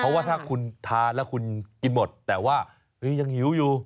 เพราะว่าถ้าคุณทานแล้วคุณกินหมดแต่ว่ายังหิวอยู่